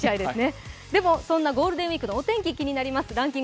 でもそんなゴールデンウイークのお天気気になります。